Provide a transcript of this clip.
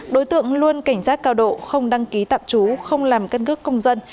đối tượng luôn cảnh giác cao độ không đăng ký tạm trú không làm căn cước công dân